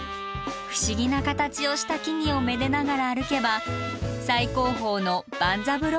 不思議な形をした木々をめでながら歩けば最高峰の万三郎岳です。